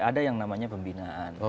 ada yang namanya pembinaan